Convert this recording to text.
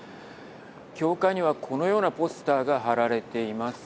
教会には、このようなポスターが貼られています。